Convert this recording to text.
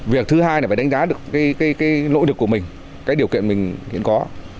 việc thứ hai là phải đánh giá được cái nội lực của mình cái điều kiện mình hiện có